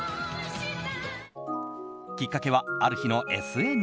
きっかけは、ある日のＳＮＳ。